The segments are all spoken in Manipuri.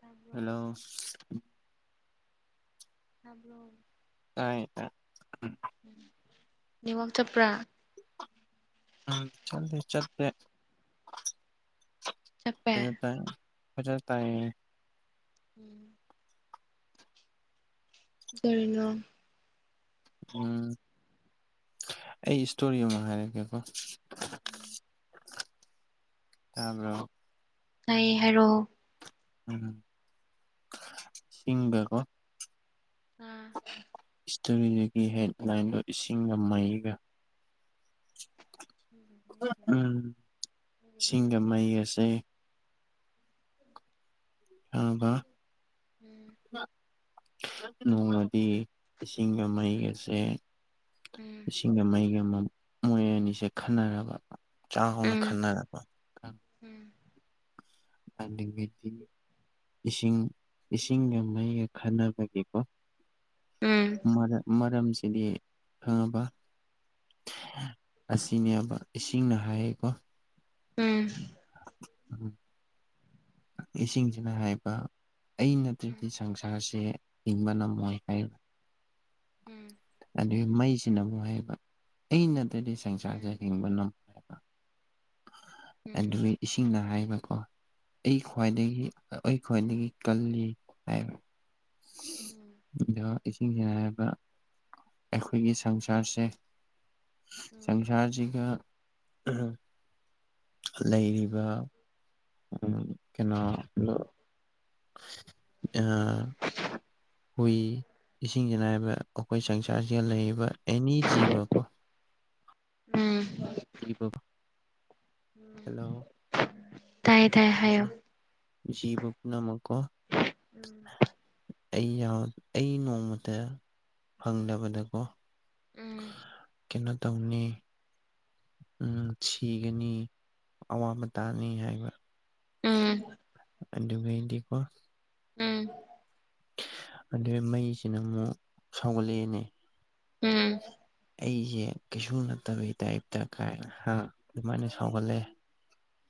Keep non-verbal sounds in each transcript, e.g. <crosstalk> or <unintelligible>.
ꯇꯥꯕ꯭ꯔꯣ ꯍꯜꯂꯣ ꯍꯥꯏꯕ꯭ꯔꯣ ꯇꯥꯏ ꯇꯥꯏ ꯅꯤꯉꯥꯛ ꯆꯠꯄ꯭ꯔꯥ ꯎꯝ ꯆ ꯆꯠ ꯆꯠꯄꯦ ꯍꯖ ꯇꯥꯏ ꯎꯝ ꯇꯔꯅꯣ ꯎꯝ ꯑꯩ ꯏꯁꯇꯣꯔꯤꯑꯣ ꯑꯃ ꯍꯥꯏꯔꯛꯒꯦꯀꯣ ꯇꯥꯔ ꯑꯩ ꯍꯥꯏꯔꯛꯑꯣ ꯎꯝ ꯁꯤꯁꯤꯡꯒꯀꯣ ꯑꯥ ꯏꯁꯇꯣꯔꯤꯗꯨꯒꯤ ꯍꯦꯠꯂꯥꯏꯟꯗꯣ ꯏꯁꯤꯡꯒ ꯃꯩꯒ ꯎꯝ ꯅꯪꯒꯤ ꯏꯁꯤꯡꯒ ꯋꯥꯔꯤꯁꯦ ꯃꯩ ꯑꯁꯦ ꯑꯥ ꯎꯝ ꯅꯣꯡꯃꯗꯤ ꯏꯁꯤꯡꯒ ꯃꯩꯒꯁꯦ ꯎꯝ ꯏꯁꯤꯡꯒ ꯃꯩꯒ ꯃꯣꯏ ꯑꯅꯤꯁꯦ ꯈꯟꯅꯔꯕ ꯎꯝ ꯆꯥꯎꯅ ꯈꯟꯅꯔꯕ ꯎꯝ ꯑꯦ ꯏꯁꯤꯡ ꯏꯁꯤꯡꯒ ꯃꯩꯒ ꯈꯟꯅꯅꯕꯒꯤꯀꯣ ꯎꯝ ꯎꯝ ꯃꯔꯝꯁꯤꯗꯤ ꯈꯪꯉꯕ ꯑꯁꯤꯅꯦꯕ ꯏꯁꯤꯡꯅ ꯍꯥꯏꯌꯦꯀꯣ ꯎꯝ ꯎ ꯏꯁꯤꯡꯁꯤꯅ ꯍꯥꯏꯕ ꯑꯩ ꯅꯠꯇ꯭ꯔꯗꯤ ꯁꯪꯁꯥꯔꯁꯦ ꯍꯤꯡꯕ ꯉꯝꯃꯣꯏ ꯍꯥꯏꯔꯤꯕ ꯎꯝ ꯑꯗꯨꯗꯒꯤ ꯃꯩꯁꯤꯅꯕꯨꯨꯛ ꯍꯥꯏꯩꯕ ꯑꯩꯅꯠꯇꯗꯤ ꯎꯝ ꯁꯪꯁꯥꯔꯁꯦ ꯍꯤꯡꯕꯅ ꯑꯗꯨ ꯏꯁꯤꯡꯅ ꯍꯥꯏꯕꯀꯣ ꯑꯩ ꯈ꯭ꯋꯥꯏꯗꯒꯤ ꯍ ꯑꯩꯈꯣꯏꯗꯒꯤ ꯀꯜꯂꯤ ꯍꯥꯏꯕ ꯑ ꯏꯁꯤꯡꯁꯦ ꯍꯥꯏꯕ ꯑꯩꯈꯣꯏꯒꯤ ꯁꯪꯁꯥꯔꯁꯦ ꯁꯪꯁꯥꯔꯁꯤꯒ ꯂꯩꯔꯤꯕ ꯎꯝ ꯀꯅꯥ ꯑ ꯍꯨꯏ ꯏꯁꯤꯡ ꯆꯅꯥꯏꯕ ꯑꯩꯈꯣꯏ ꯁꯪꯁꯥꯔꯁꯤꯗ ꯂꯩꯔꯤꯕ ꯑꯦꯅꯤ ꯖꯤꯕ ꯀꯣ ꯎꯝ ꯖꯤꯕ ꯎꯝ <unintelligible> ꯍꯥꯏꯌꯣ ꯖꯤꯕꯄꯅ ꯃꯀꯣ ꯎꯝ ꯑꯩ ꯑꯩ ꯅꯣꯡꯃꯇ ꯐꯪꯗꯕꯗꯀꯣ ꯎꯝ ꯀꯩꯅꯣ ꯇꯧꯅꯤ ꯎꯝ ꯁꯤꯒꯅꯤ ꯑꯋꯥꯕ ꯇꯥꯅꯤ ꯍꯥꯏꯕ ꯎꯝ ꯑ ꯃꯗꯤꯀꯣ ꯎꯝ ꯑꯗꯨꯩ ꯃꯩꯁꯤꯅ ꯑꯃꯨꯛ ꯁꯥꯎꯒꯠꯂꯛꯑꯦꯅꯦ ꯎꯝ ꯑꯩꯁꯦ ꯀꯩꯁꯨ ꯅꯠꯇꯕꯒꯤ ꯇꯥꯏꯞꯇ ꯀꯥꯏ ꯑꯗꯨꯃꯥꯏꯅ ꯁꯥꯎꯒꯠꯂꯑꯦ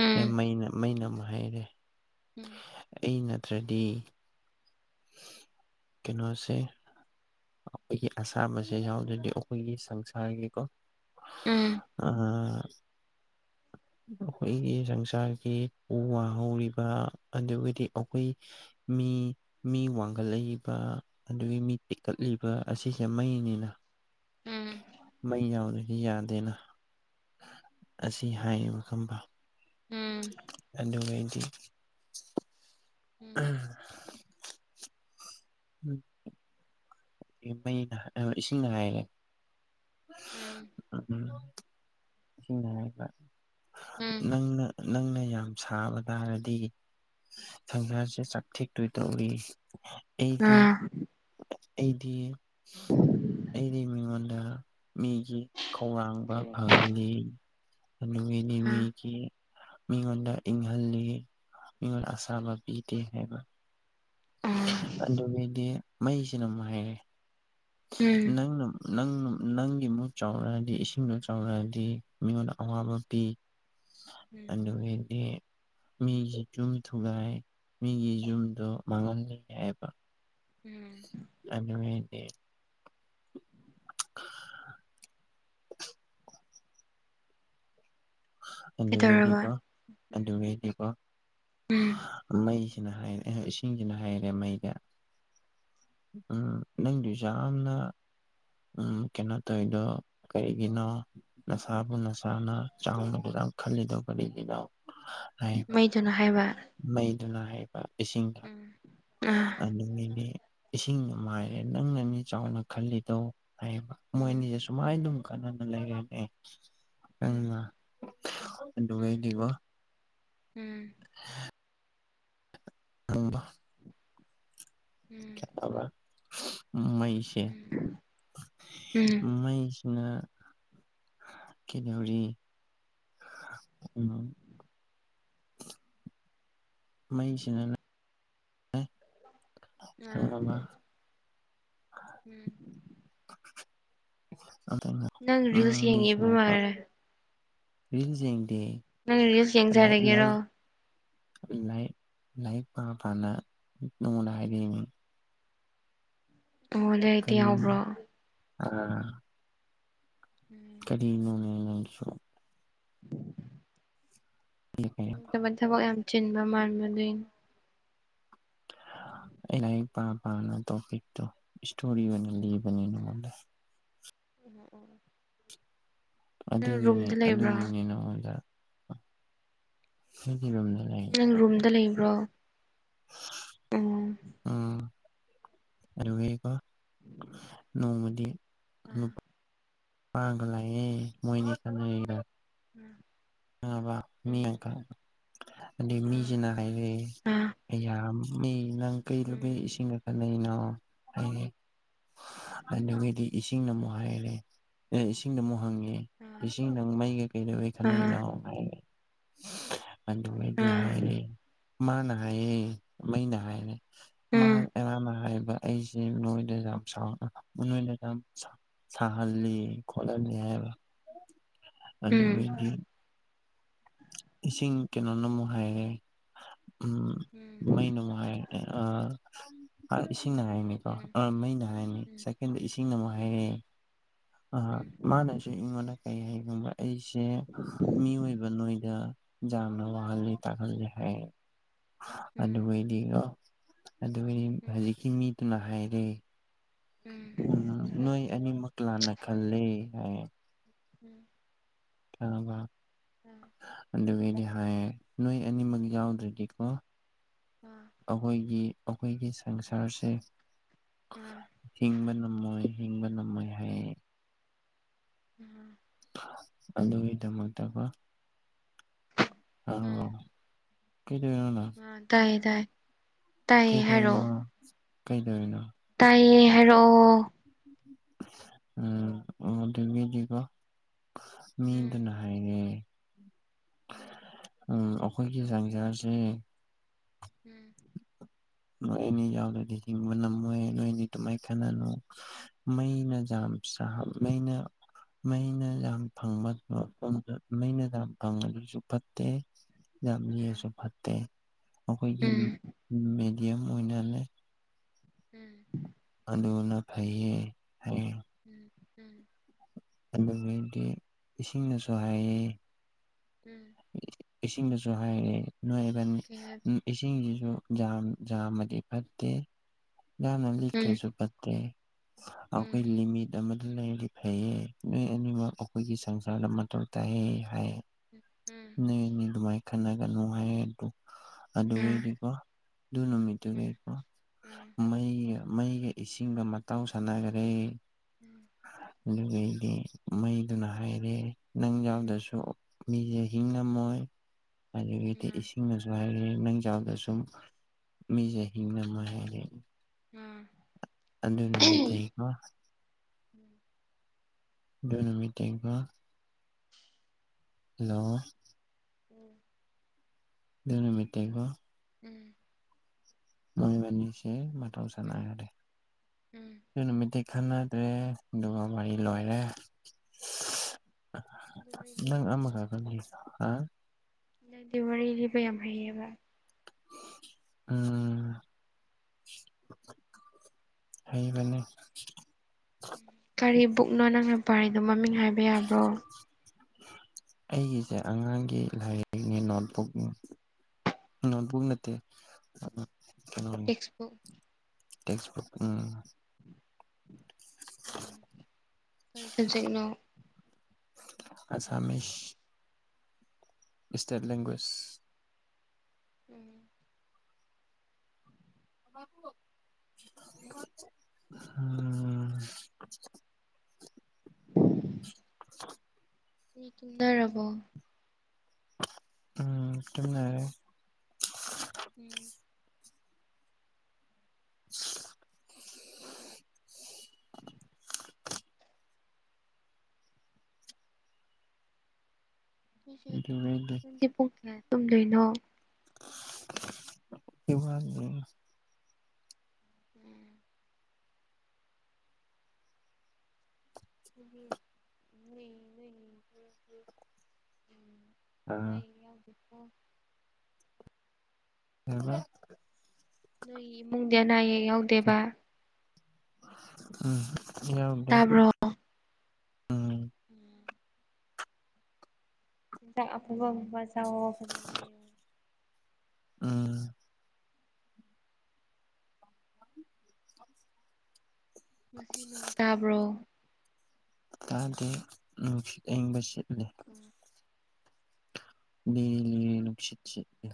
ꯎꯝ ꯑꯦ ꯎꯝ ꯃꯩꯅ ꯃꯩꯅ ꯑꯃ ꯍꯥꯏꯩꯔꯦ ꯎꯝ ꯑꯩ ꯅꯠꯇ꯭ꯔꯗꯤ ꯀꯩꯅꯣꯁ ꯑꯩꯈꯣꯏꯒꯤ ꯑꯁꯥꯕꯁꯦ ꯌꯥꯎꯗ꯭ꯔꯗꯤ ꯑꯩꯈꯣꯏꯒꯤ ꯁꯪꯁꯥꯔꯒꯤꯀꯣ ꯎꯝ ꯑ ꯑꯩꯈꯣꯏꯒꯤ ꯁꯪꯁꯥꯔꯒꯤ ꯎ ꯋꯥ ꯍꯧꯔꯤꯕ ꯑꯗꯨꯒꯗꯤ ꯑꯩꯈꯣꯏ ꯃꯤ ꯃꯤ ꯋꯥꯡꯈꯠꯂꯛꯏꯕ ꯑꯗꯨꯗꯒꯤ ꯃꯤ ꯇꯦꯛꯀꯠꯂꯤꯕ ꯑꯁꯤꯁꯦ ꯃꯩꯅꯤꯅ ꯎꯝ ꯌꯥꯎꯗꯗꯤ ꯌꯥꯗꯦꯅ ꯑꯁꯤ ꯍꯥꯏꯌꯦꯕ ꯈꯪꯝꯕ ꯎꯝ ꯑꯅꯉꯗꯤ ꯎꯝ ꯌ꯭ꯋꯨꯝ ꯃꯩꯅ ꯏꯁꯤꯡ ꯉꯥꯏꯔꯦ ꯎꯝ ꯎꯕ ꯎꯝ ꯅꯪꯅ ꯅꯪꯅ ꯌꯥꯝ ꯁꯥꯕ ꯇꯥꯔꯗꯤ ꯁꯪꯁꯥꯔꯁꯦ ꯆꯥꯛꯊꯦꯛꯇꯣꯏ ꯇꯧꯏ ꯑꯥ ꯑꯩꯗꯤꯗꯤ ꯑꯩꯗꯤ ꯃꯤꯃꯥꯟꯗ ꯃꯤꯒꯤ ꯈꯧꯔꯥꯡꯕ ꯑ ꯐꯪꯍꯜꯂꯤ ꯑꯗꯨꯒꯤꯗꯤ ꯃꯤꯒꯤ ꯃꯤꯉꯣꯟꯗ ꯏꯪꯍꯜꯂꯤ ꯃꯤꯉꯣꯟꯗ ꯑꯁꯥꯕ ꯄꯤꯗꯦ ꯍꯥꯏꯕ ꯑꯣ ꯑꯗꯨꯒꯤꯗꯤ ꯃꯩꯁꯤꯅ ꯑꯃꯨꯛ ꯍꯥꯏꯔꯦ ꯎꯝ ꯅꯪꯅ ꯅꯪ ꯅꯪꯒꯤ ꯃꯨꯠ ꯆꯥꯎꯔꯛꯑꯗꯤ ꯏꯁꯤꯡꯗꯣ ꯆꯥꯎꯔꯛꯑꯗꯤ ꯃꯤꯉꯣꯟꯗ ꯑꯋꯥꯕ ꯄꯤ ꯎꯝ ꯑꯗꯨꯗꯩꯗꯤ ꯃꯤꯒꯤ ꯌꯨꯝ ꯊꯨꯒꯥꯏ ꯃꯤꯒꯤ ꯌꯨꯝꯗꯣ ꯃꯥꯡꯍꯜꯂ ꯌꯥꯏꯕ ꯎꯝ ꯑꯗꯨꯅꯦꯗꯦ <unintelligible> ꯀꯩꯗꯧꯔꯕ ꯑꯗꯨꯒꯤꯗꯤꯀꯣ ꯎꯝ ꯑꯗꯨꯒꯤꯗꯤꯀꯣ ꯎꯝ ꯃꯩꯁꯤꯅ ꯍꯥꯏꯔꯦ ꯏꯁꯤꯡꯁꯤꯅ ꯍꯥꯏꯔꯦ ꯃꯩꯗ ꯎꯝ ꯅꯪꯗꯨꯁꯨ ꯌꯥꯝꯅ ꯎ ꯀꯩꯅꯣ ꯇꯧꯋꯔꯤꯗꯣ ꯀꯔꯤꯒꯤꯅꯣ ꯅꯁꯥꯕꯨ ꯅꯁꯥꯅ ꯆꯥꯎꯅ ꯗꯨꯌꯥꯝ ꯈꯜꯂꯤꯗꯣ ꯀꯔꯤꯒꯤꯅ ꯍꯥꯏꯕ ꯃꯩꯗꯨꯅ ꯍꯥꯏꯕ ꯃꯩꯗꯨꯅ ꯍꯥꯏꯕ ꯏꯁꯤꯡꯗ ꯎꯝ ꯑꯥ ꯅꯅꯤ ꯏꯁꯤꯡꯅ ꯃꯥꯏꯔꯦ ꯎꯝ ꯅꯪꯅ ꯃꯤ ꯆꯥꯎꯅ ꯈꯜꯂꯤꯗꯣ ꯍꯥꯏꯌꯦꯕ ꯃꯣꯏ ꯎꯝ ꯑꯅꯤꯁ ꯃꯥꯏ ꯑꯗꯨꯝ ꯀꯥꯟꯅꯅ ꯂꯩꯒꯦꯅꯦ ꯎꯝ ꯎꯝ ꯑꯗꯨꯕꯦꯗꯤꯒ ꯎꯝ ꯑꯝꯕ ꯎꯝ ꯈ ꯃꯩꯁꯦ ꯎꯝ ꯎꯝ ꯃꯩ ꯀꯗꯧꯔꯤ ꯎ ꯃꯩꯁꯤꯅ ꯎꯝ ꯈꯪꯉꯕ ꯎꯝ ꯅꯪ ꯔꯤꯜꯁ ꯌꯦꯡꯉꯤꯕ ꯎꯝꯁꯅꯦ ꯀ ꯎꯝ ꯎꯝ ꯅꯪ ꯔꯤꯜꯁ ꯌꯦꯡꯖꯔꯒꯦꯔꯣ ꯂꯩ ꯂꯩ ꯄꯥꯐꯅ ꯃꯤꯉꯣꯟꯗ ꯍꯥꯏꯕꯤꯅꯦ ꯑꯣ ꯑꯗꯨ ꯑꯗꯤ ꯌꯥꯎꯕ꯭ꯔꯣ ꯑ ꯎꯝ ꯀꯔꯤꯅꯣꯅꯦꯅꯣꯟꯁꯨ <unintelligible> ꯑꯩ ꯇꯕ ꯊꯕꯛ ꯌꯥꯝ ꯆꯤꯟꯕ ꯃꯜꯃꯗꯣꯏꯅꯤ ꯂꯥꯏꯔꯤꯛ ꯄꯥ ꯄꯥꯅ ꯇꯣꯄꯤꯛꯇꯣ ꯏꯁꯇꯣꯔꯤ ꯑꯣꯏꯅ ꯂꯤꯕꯅꯤ ꯅꯉꯣꯟꯗ ꯎꯝ ꯎꯝ ꯑꯗꯨꯒꯤꯅꯤ ꯂꯩꯕ꯭ꯔꯣ ꯑꯗꯨꯒꯤꯅꯤ ꯅꯪꯉꯣꯟꯗ ꯍ ꯀꯔꯝꯅꯦ ꯅꯪ ꯔꯨꯝꯗ ꯂꯩꯕ꯭ꯔꯣ ꯎ ꯑꯣ ꯑꯕꯒ ꯅꯣꯡꯃꯗꯤ ꯑꯥ ꯑꯥ ꯃꯥꯒ ꯂꯌꯦ ꯃꯣꯏꯅꯤ ꯁꯅ ꯎꯝ ꯕ ꯃꯤ ꯑꯃꯀ ꯑꯗꯩ ꯑꯥ ꯃꯤꯁꯤꯅ ꯍꯥꯏꯔ ꯑꯩꯌꯥꯝꯃꯤ ꯅꯪ ꯀꯩ ꯂꯨꯃꯤ ꯎꯝ ꯏꯁꯤꯡ ꯑꯅꯩꯅ ꯑꯩ ꯑꯗꯨꯗꯒꯤꯗꯤ ꯏꯁꯤꯡꯅ ꯑꯃꯨꯛ ꯍꯥꯏꯔꯦ ꯏꯁꯤꯡꯗ ꯑꯃꯨꯛ ꯍꯪꯉꯦ ꯑꯥ ꯏꯁꯤꯡ ꯅꯪ ꯃꯩꯒ ꯀꯩ ꯂꯩꯧꯋꯦ ꯈꯅꯩꯅꯥ ꯑꯥ ꯑꯗꯨꯗꯤ ꯑꯥ ꯍꯥꯏꯔꯦ ꯃꯥꯅ ꯍꯥꯏꯌꯦ ꯃꯩꯅ ꯍꯥꯏꯔꯦ ꯃꯥ ꯎꯝ ꯑꯔꯅ ꯍꯥꯏꯕ ꯑꯩꯁꯦ ꯅꯣꯏꯗ ꯌꯥꯝ ꯁꯥꯎ ꯅꯣꯏꯗ ꯌꯥꯝ ꯁ <unintelligible> ꯁꯥꯍꯜꯂꯤ ꯈꯣꯠꯍꯜꯂꯤ ꯍꯥꯏꯕ ꯎꯝ ꯎꯝ ꯑꯗꯨꯗꯤ ꯏꯁꯤꯡ ꯀꯩꯅꯣꯅ ꯑꯃꯨꯛ ꯍꯥꯏꯔꯦ ꯎꯝ ꯎꯝ ꯎꯝ ꯃꯩ ꯅꯨꯡꯉꯥꯏ ꯏꯁꯤꯡ ꯉꯥꯏꯅꯤ ꯑ ꯎꯝ ꯑ ꯃꯩꯅ ꯍꯥꯏꯔꯅꯦ ꯎꯝ ꯁꯦꯀꯦꯟꯗ ꯏꯁꯤꯡꯅ ꯑꯃꯨꯛ ꯍꯥꯏꯔꯛꯑꯦ ꯑ ꯎꯝ ꯃꯥꯅ ꯑꯩꯉꯣꯟꯗ ꯀꯩ ꯍꯥꯏꯒꯕ ꯑꯩꯁꯦ ꯃꯤꯑꯣꯏꯕ ꯅꯣꯏ ꯅ ꯋꯥꯍꯜ ꯇꯥꯍꯜ ꯍꯥꯏ ꯑꯗꯨꯗ ꯔꯣ ꯑꯗꯨꯗꯤ ꯎꯝ ꯍꯧꯖꯤꯛꯀꯤ ꯃꯤꯗꯨꯅ ꯍꯥꯏꯔꯦ ꯎꯝ ꯎꯝ ꯅꯣꯏ ꯑꯅꯤꯃꯛ ꯂꯥꯟꯅ ꯈꯜꯂꯦ ꯍꯥꯏ ꯎꯝ ꯑꯅꯨꯒ ꯑꯥ ꯑꯗꯨꯗꯩꯗꯤ ꯍꯥꯏ ꯌꯦ ꯅꯣꯏ ꯑꯅꯤꯃꯛ ꯌꯥꯎꯗ꯭ꯔꯗꯤꯀꯣ ꯑꯥ ꯑꯩꯈꯣꯏꯒꯤ ꯑꯩꯈꯣꯏꯒꯤ ꯁꯪꯁꯥꯔꯁꯦ ꯑꯥ ꯍꯤꯡꯕ ꯉꯝꯃꯣꯏ ꯍꯕ ꯅ ꯃ ꯍ ꯎꯝ ꯑꯗꯨꯒꯤꯗꯃꯛꯇꯀꯣ ꯎꯝ ꯀ ꯑ ꯇꯥꯏꯌꯦ ꯇꯥꯏꯌꯦ ꯀꯩꯗꯧꯔꯤꯅꯣ ꯍꯥꯏꯔꯛꯑꯣ ꯀꯩꯗꯧꯔꯤꯅꯣ ꯇꯥꯏꯌꯦ ꯍꯥꯏꯔꯛꯑꯣ ꯎꯝ ꯎꯗꯨꯕꯤꯀꯣ ꯎꯝ ꯃꯤꯗꯅꯍꯥꯏ ꯎꯝ ꯎꯝ ꯑꯩꯈꯣꯏꯒꯤ ꯆꯥꯡꯖꯔꯁꯦ ꯎꯝ ꯅꯣꯏ ꯑꯅꯤ ꯌꯥꯎꯗꯗꯤ ꯍꯤꯡꯕꯅꯝꯃꯦ ꯅꯣꯏꯅꯤ ꯇꯃꯥꯏ ꯈꯅꯅꯣ ꯃꯩꯅ ꯌꯥꯝ ꯁꯥ ꯃꯩꯅ ꯃꯩꯅ ꯌꯥꯝ ꯐꯪꯕ ꯃꯩꯅ ꯌꯥꯝ ꯐꯪꯕ ꯑꯗꯨꯁꯨ ꯐꯠꯇꯦ ꯌꯥꯝ ꯑꯥ ꯌꯦꯑꯁꯨ ꯐꯠꯇꯦ ꯑꯩꯈꯣꯏꯒꯤ ꯎꯝ ꯃꯦꯗꯤꯌꯝ ꯑꯣꯏꯅꯅꯦ ꯎꯝ ꯑꯗꯨꯅ ꯐꯩꯌꯦ ꯐꯩꯌꯦ ꯎꯝ ꯎꯝ ꯑꯗꯨꯗꯤ ꯏꯁꯤꯡꯅꯁꯨ ꯍꯥꯏꯌꯦ ꯎꯝ ꯏꯁꯤꯡꯗꯁꯨ ꯍꯥꯏꯔꯦ ꯅꯣꯏꯕ ꯀꯩ ꯍꯥꯏꯕ ꯏꯁꯤꯡꯁꯤꯁꯨ ꯌꯥꯝ ꯌꯥꯝꯃꯗꯤ ꯐꯠꯇꯦ ꯌꯥꯝꯅ ꯎꯝ ꯂꯤꯛꯈ꯭ꯔꯁꯨ ꯐꯠꯇꯦ ꯎꯝ ꯑꯈꯣꯏ ꯂꯤꯃꯤꯠ ꯑꯃꯗꯤ ꯂꯩꯔꯤ ꯐꯩꯌꯦ ꯅꯣꯏ ꯑꯅꯤꯃꯛ ꯑꯩꯈꯣꯏꯒꯤ ꯁꯪꯁꯥꯔꯗ ꯃꯊꯧ ꯇꯥꯏ ꯍꯥꯏ ꯎꯝ ꯅꯅꯦ ꯑꯗꯨꯃꯥꯏꯅ ꯈꯟꯅꯒꯅꯨ ꯍꯥꯏꯗ ꯑꯥ ꯑꯗꯨꯒꯤꯗꯤꯀꯣ ꯑꯗꯨ ꯅꯨꯃꯤꯠ ꯎꯝ ꯑꯗꯨꯒꯀꯣ ꯎꯝ ꯃꯩꯒ ꯃꯩꯒ ꯏꯁꯤꯡꯒ ꯃꯇꯥꯎ ꯁꯥꯟꯅꯈꯔꯦ ꯎꯝ ꯑꯗꯨꯩꯗꯤ ꯃꯩꯗꯨꯅ ꯍꯥꯏꯔꯦ ꯅꯪ ꯌꯥꯎꯗꯁꯨ ꯃꯤꯖꯦ ꯍꯤꯡ ꯉꯝꯃꯣꯏ ꯑꯗꯨꯗꯒꯤꯗꯤ ꯎꯝ ꯏ ꯍꯤꯡꯉꯁꯨ ꯍꯥꯏꯔꯛꯑꯦ ꯅꯪꯖꯥꯗ ꯁꯨꯝ ꯃꯤꯁꯦ ꯍꯤꯡ ꯑꯃ ꯍꯥꯏꯔꯦ ꯎꯝ ꯑꯗꯨꯗ ꯅꯨꯃꯤꯠꯇ ꯑꯩ ꯅ ꯃꯤꯇꯤꯡ ꯀ ꯍꯜꯂꯣ ꯎꯝ ꯅ ꯃꯤꯇꯩꯀꯣ ꯎꯝ ꯃꯣꯏ ꯃꯅꯤꯁꯤ ꯃꯊꯪ ꯎꯝ ꯁꯅꯗꯦ ꯎꯝ ꯑꯗꯨ ꯅꯨꯃꯤꯠꯇꯤ ꯈꯟꯅꯗ꯭ꯔꯦ ꯑꯗꯨꯒ ꯋꯥꯔꯤ ꯂꯣꯏꯔꯦ ꯑꯗꯨ ꯋꯥꯔꯤ ꯂꯤꯕ ꯅꯪ ꯌꯥꯝ ꯑꯃꯒ ꯈ ꯍꯥ ꯗꯤ ꯋꯥꯔꯤ ꯂꯤꯕ ꯌꯥꯝ ꯍꯩꯌꯦꯕ ꯎꯝ ꯍꯩꯕꯅꯦ ꯀꯔꯤ ꯕꯨꯛꯅꯣ ꯅꯪꯅ ꯄꯔꯤꯗꯣ ꯃꯃꯤꯡ ꯍꯥꯏꯕ ꯌꯥꯕ꯭ꯔꯣ ꯑꯩꯒꯤꯁꯦ ꯑꯉꯥꯡꯒꯤ ꯂꯥꯏꯔꯤꯛꯅꯤ ꯅꯣꯠꯕꯨꯛꯅꯤ ꯎ ꯄꯨꯅꯠꯇꯦ ꯀꯩꯅꯣ ꯇꯦꯛꯁꯕꯨꯛ ꯎꯝ ꯎꯝ ꯀꯔꯤ ꯁꯕꯖꯦꯛꯅꯣ ꯑꯁꯥꯝꯃꯤꯁ ꯏꯁꯇꯦꯠ ꯂꯦꯡꯒ꯭ꯋꯦꯖ ꯎꯝ <inaudible> <inaudible> ꯃꯤ ꯇꯨꯝꯊꯔꯕꯣ꯫ ꯎꯝ ꯇꯨꯝꯅꯔꯦ꯫ ꯎꯝ꯫ <inaudible> ꯑꯩꯈꯣꯏꯁꯦ ꯑꯗꯨꯒꯩꯗꯤ ꯅꯪꯗꯤ ꯄꯨꯡ ꯀꯌꯥ ꯇꯨꯝꯗꯣꯏꯅꯣ꯫ ꯑꯩ ꯋꯠꯂꯤ꯫ ꯎꯝ꯫ ꯃ ꯃ ꯎ <unintelligible> ꯑꯣ꯫ <unintelligible> ꯉꯥꯏꯈꯣ꯫ ꯅꯣꯏ ꯏꯃꯨꯡꯗ ꯑꯅꯥ ꯅꯥꯏꯌꯦꯛ ꯌꯥꯎꯗꯦꯕ꯫ ꯎꯝ ꯌꯥꯎꯗꯦ꯫ ꯇꯥꯕ꯭ꯔꯣ ꯎꯝ ꯎꯝ ꯍꯤꯗꯥꯛ ꯑꯐꯥꯕ ꯆꯥꯎ ꯐꯖꯅ <unintelligible> ꯎꯝ꯫ ꯉꯁꯤ ꯅꯣꯡ ꯇꯥꯕ꯭ꯔꯣ꯫ ꯇꯗꯦ ꯅꯨꯡꯁꯤꯠ ꯑꯏꯪꯕ ꯁꯤꯠꯂꯦ꯫ ꯎꯝ ꯂꯤꯔꯤ ꯂꯤꯔꯤ ꯅꯨꯡꯁꯤꯠ ꯁꯤꯠꯂꯤ꯫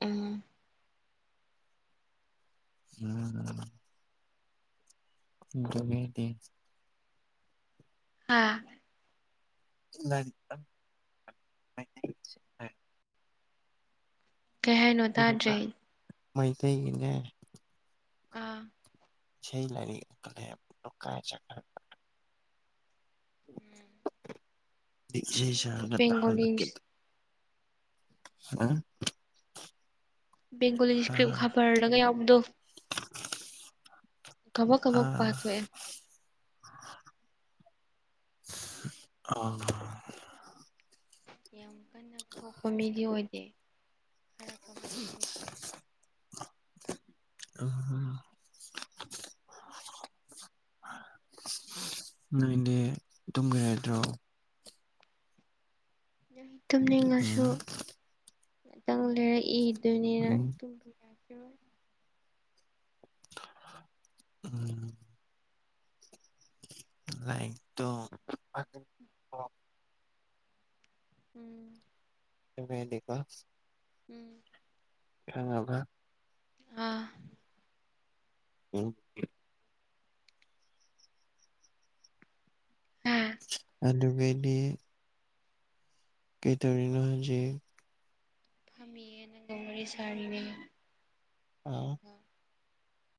ꯎꯝ꯫ ꯎꯝ꯫ ꯅꯈꯣꯏꯒꯤꯗꯤ꯫ ꯍꯥꯥ꯫ <unintelligible> ꯀꯩ ꯍꯥꯏꯅꯣ ꯑꯗꯨꯗꯨꯒ ꯇꯥꯗ꯭ꯔꯦ ꯃꯩꯇꯩꯒꯤꯅꯦ꯫ ꯑꯥ꯫ ꯏꯁꯩ ꯂꯩꯔꯤ ꯀꯥꯏ ꯆꯠ꯫ ꯎꯝ꯫ ꯏꯁꯩ ꯁꯛꯑꯒ ꯕꯦꯡꯒꯣꯂꯤ ꯇꯍꯥꯜꯂꯛ ꯀꯦ꯫ ꯑ꯫ ꯕꯦꯡꯒꯣꯂꯤ ꯏꯁꯀ꯭ꯔꯤꯞ ꯈꯕꯔꯗꯒ ꯌꯥꯎꯕꯗꯣ꯫ ꯀꯕꯛ ꯀꯕꯛ ꯄꯊꯣꯑꯦ꯫ ꯑꯥ꯫ ꯌꯥꯝ ꯀꯟꯅ ꯊꯣꯛꯄ ꯃꯤꯗꯤ ꯑꯣꯏꯗꯦ ꯈꯔ ꯀꯕ ꯀꯕꯛꯗꯤ ꯊꯣꯛꯑꯦ꯫ ꯑꯥꯍꯥ꯫ ꯅꯣꯏꯗꯤ ꯑꯗꯨꯝꯒ ꯍꯥꯏꯗ꯭ꯔꯣ꯫ ꯇꯨꯝꯅꯤꯡꯉꯁꯨ ꯎꯝ ꯉꯇꯪ ꯂꯩꯔꯛꯏꯗꯨꯣꯏꯅꯤꯅ꯫ ꯎꯝ ꯈꯤꯔꯣꯏ꯫ ꯎꯝ꯫ ꯂꯥꯏꯔꯤꯛꯇꯣ꯫ ꯎꯝ꯫ ꯇꯨꯝꯕ ꯌꯗꯦꯕ꯫ ꯎꯝ꯫ ꯈꯪꯉꯕ꯫ ꯑꯥ꯫ ꯑꯣ꯫ ꯍꯥ ꯑꯅꯕꯦꯕꯤ꯫ ꯀꯩꯇꯧꯔꯤꯅꯣ ꯍꯧꯖꯤꯛ꯫ ꯐꯝꯃꯤꯌꯦ ꯅꯒ ꯋꯥꯔꯤ ꯁꯔꯤꯅꯦ꯫ ꯑꯥ